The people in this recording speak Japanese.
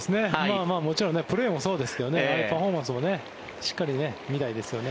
もちろんプレーもそうですけどああいうパフォーマンスも見たいですよね。